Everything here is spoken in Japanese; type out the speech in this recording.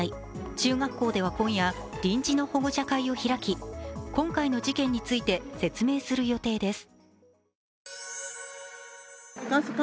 中学校では今夜、臨時の保護者会を開き今回の事件について説明する予定です。